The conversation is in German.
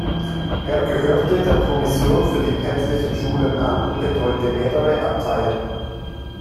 Er gehörte der Kommission für die Päpstlichen Schulen an und betreute mehrere Abteien.